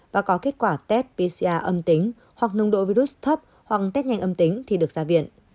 và có kết quả test pcr âm tính hoặc nồng độ virus thấp hoặc test nhanh âm tính thì được ra viện